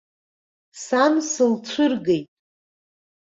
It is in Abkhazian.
Сан сылцәыргеит.